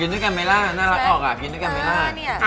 กินด้วยกาเมล่าอ่ะน่ารักออกอ่ะกินด้วยกาเมล่า